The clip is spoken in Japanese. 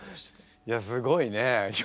いやすごいね。